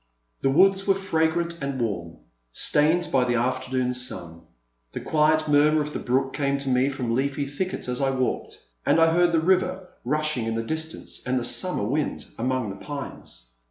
The woods were fragrant and warm, stained by the afternoon sun ; the quiet murmur of the brook came to me from leafy thickets as I walked, and I heard the river rushing in the distance and the summer wind among the pines.